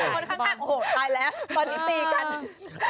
คนข้างโอ้โหตายแล้วตอนนี้ตีกัน